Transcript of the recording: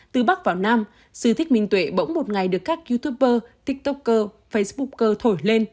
từ bắc vào nam sự thích minh tuệ bỗng một ngày được các youtuber tiktoker facebooker thổi lên